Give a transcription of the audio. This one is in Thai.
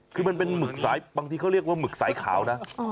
คือมันเป็นหมึกสายบางทีเขาเรียกว่าหมึกสายขาวนะ